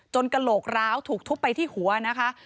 กระโหลกร้าวถูกทุบไปที่หัวนะคะ